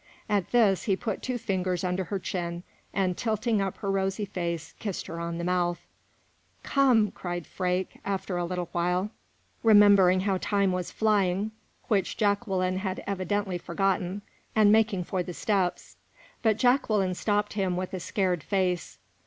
At this, he put two fingers under her chin, and, tilting up her rosy face, kissed her on the mouth. "Come!" cried Freke, after a little while, remembering how time was flying, which Jacqueline had evidently forgotten, and making for the steps; but Jacqueline stopped him with a scared face.